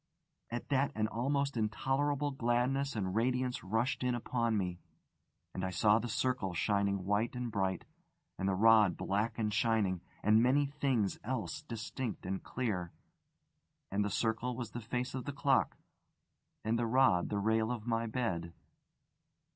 At that an almost intolerable gladness and radiance rushed in upon me, and I saw the circle shining white and bright, and the rod black and shining, and many things else distinct and clear. And the circle was the face of the clock, and the rod the rail of my bed.